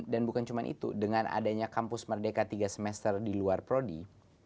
dan bukan cuma itu dengan adanya kampus merdeka tiga semester di luar prodi